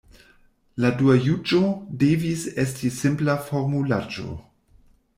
La dua juĝo devis esti simpla formulaĵo.